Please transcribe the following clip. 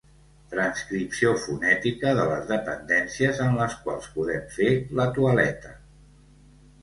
Transcripció fonètica de les dependències en les quals podem fer la toaleta.